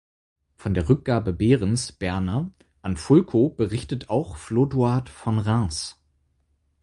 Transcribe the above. Von der Rückgabe Behrens ("Berna") an Fulko berichtet auch Flodoard von Reims.